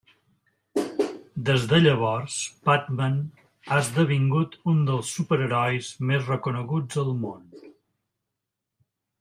Des de llavors Batman ha esdevingut un dels superherois més reconeguts al món.